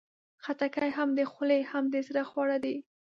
خټکی هم د خولې، هم د زړه خواړه دي.